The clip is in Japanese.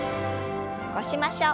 起こしましょう。